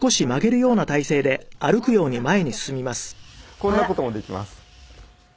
こんな事もできます。